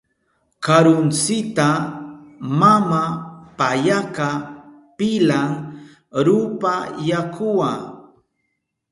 Karuntsita mama payaka pilan rupa yakuwa.